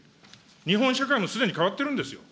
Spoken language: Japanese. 日本社会もすでに変わってるんですよ。